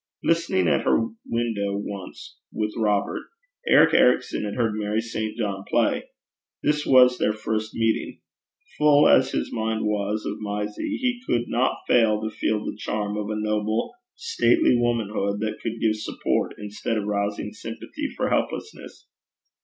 Listening at her window once with Robert, Eric Ericson had heard Mary St. John play: this was their first meeting. Full as his mind was of Mysie, he could not fail to feel the charm of a noble, stately womanhood that could give support, instead of rousing sympathy for helplessness.